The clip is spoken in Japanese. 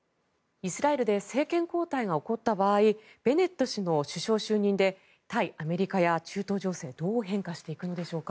イスラエルで政権交代が起こった場合ベネット氏の首相就任で対アメリカや中東情勢どう変化していくのでしょうか。